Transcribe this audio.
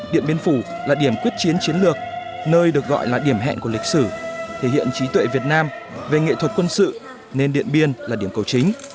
điện biên phủ là điểm quyết chiến chiến lược nơi được gọi là điểm hẹn của lịch sử thể hiện trí tuệ việt nam về nghệ thuật quân sự nên điện biên là điểm cầu chính